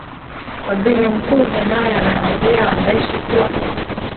waziri mkuu zenawi amewaambia waandishi kuwa